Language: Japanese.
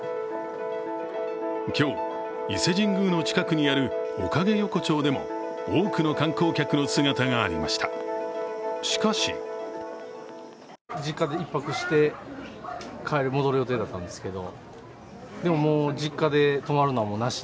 今日、伊勢神宮の近くにあるおかげ横丁でも多くの観光客の姿がありました、しかし実家で１泊して戻る予定だったんですけど。